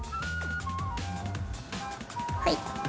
はい。